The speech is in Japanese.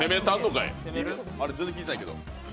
あれ、全然聞いてないけど。